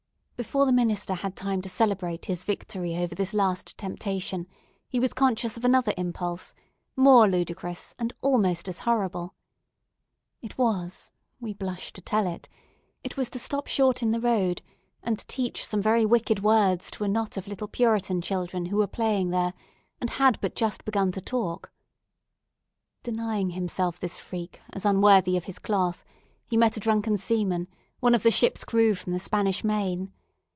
Before the minister had time to celebrate his victory over this last temptation, he was conscious of another impulse, more ludicrous, and almost as horrible. It was—we blush to tell it—it was to stop short in the road, and teach some very wicked words to a knot of little Puritan children who were playing there, and had but just begun to talk. Denying himself this freak, as unworthy of his cloth, he met a drunken seaman, one of the ship's crew from the Spanish Main.